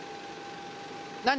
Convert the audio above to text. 何？